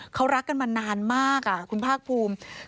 เขารักกันมานานมากคุณภาคภูมิ